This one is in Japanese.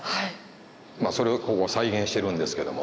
まあそれを再現してるんですけども。